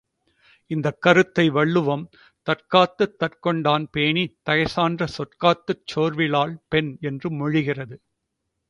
இந்தக் கருத்தை வள்ளுவம், தற்காத்துத் தற்கொண்டான் பேணித் தகைசான்ற சொற்காத்துச் சோர்விலாள் பெண் என்று மொழிகிறது.